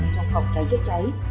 trong học cháy cháy cháy